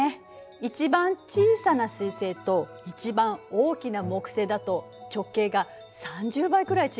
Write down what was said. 一番小さな水星と一番大きな木星だと直径が３０倍くらい違うの。